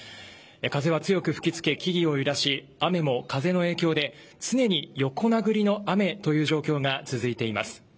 風が強く吹き付け、木々を揺らし雨と風の影響で常に横殴りの雨という状況が続いています。